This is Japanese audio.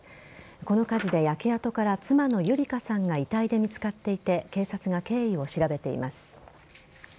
この火事で焼け跡から妻の優里香さんが遺体で見つかっていて警察が経緯を調べています。